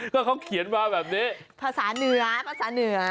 ก็เขาเขียนมาแบบนี้ภาษาเหนือภาษาเหนือ